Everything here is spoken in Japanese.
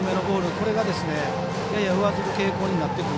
これが上ずる傾向になってくる。